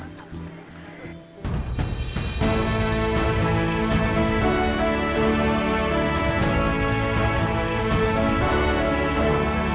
digitalizasi iot technologi